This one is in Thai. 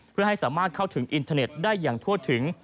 เพื่อให้สามารถเข้าถึงอินเทอร์เน็ตได้อย่างทั่วถึง